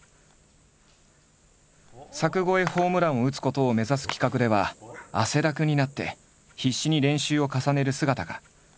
柵越えホームランを打つことを目指す企画では汗だくになって必死に練習を重ねる姿が。